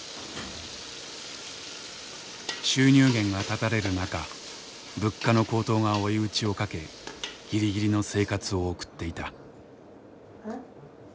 収入源が断たれる中物価の高騰が追い打ちをかけぎりぎりの生活を送っていた。